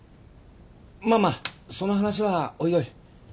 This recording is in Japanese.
まあまあその話はおいおい。